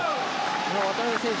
渡辺選手